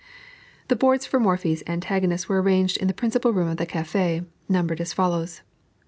The boards for Morphy's antagonists were arranged in the principal room of the café, numbered as follows: No.